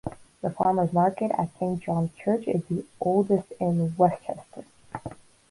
The famers' market at Saint John's Church is the oldest in Westchester.